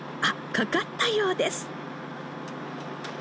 かかったようです。